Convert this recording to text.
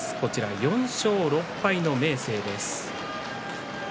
４勝６敗の明生です。